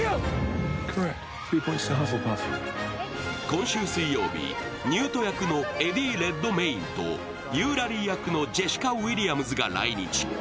今週水曜日、ニュート役のエディ・レッドメインとユーラリー役のジェシカ・ウィリアムズが来日。